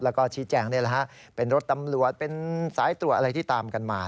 แล้วก็ชี้แจงนี่แหละฮะเป็นรถตำรวจเป็นสายตรวจอะไรที่ตามกันมา